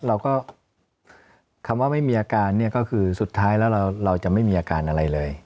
เราก็คำว่าไม่มีอาการเนี่ยก็คือสุดท้ายแล้วเราจะไม่มีอาการอะไรเลย